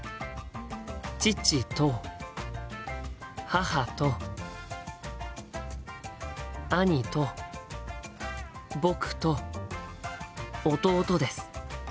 父と母と兄と僕と弟です。